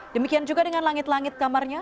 demikian juga dengan langit langit kamarnya